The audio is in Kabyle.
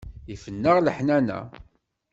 Ifen-aneɣ leḥnana.